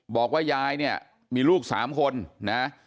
บอกว่ายายเนี่ยมีลูก๓คนนะ